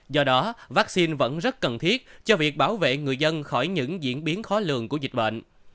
do đó vaccine vẫn rất cần thiết cho việc bảo vệ người dân khỏi những diễn biến khó lường của dịch bệnh